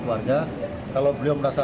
kami akan amankan dan tempatkan anggota di sana